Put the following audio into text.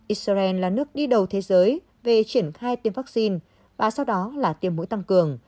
israel là nước đi đầu thế giới về triển khai tiêm vaccine và sau đó là tiêm mũi tăng cường